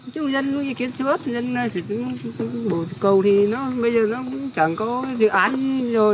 chúng dân kiến sức dân bộ cầu thì nó bây giờ nó chẳng có dự án rồi